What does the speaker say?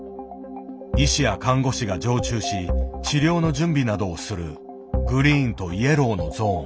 医師や看護師が常駐し治療の準備などをするグリーンとイエローのゾーン。